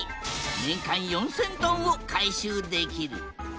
年間４，０００トンを回収できる。